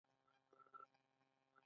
دویم څپرکی په دې ډول پیل کیږي.